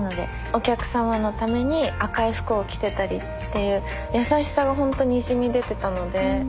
お客さまのために赤い服を着てたりっていう優しさがほんとにじみ出てたので。